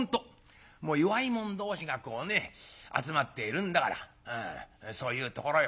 もう弱い者同士がこうね集まっているんだからそういうところよ」